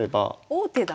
王手だ！